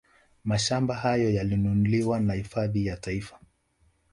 Mashamba hayo yalinunuliwa na hifadhi ya Taifa